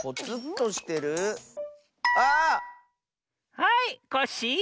はいコッシー！